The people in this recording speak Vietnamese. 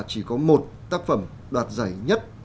chỉ có một tác phẩm đoạt giải nhất